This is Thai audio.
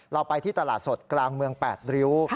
เราไปที่ตลาดสดกลางเมือง๘ริ้ว